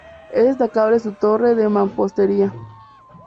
Es destacable su torre de mampostería.